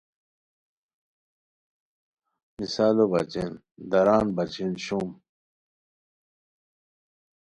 مثالو بچین دُران بچین شوم